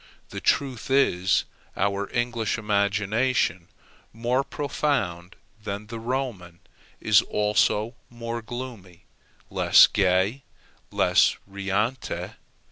The truth is, our English imagination, more profound than the Roman, is also more gloomy, less gay, less riante.